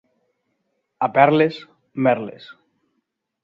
A Perles, merles.